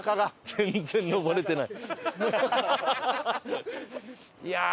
全然上れてない。